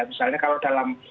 misalnya kalau dalam